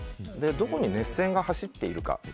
どこに熱線が走っているか。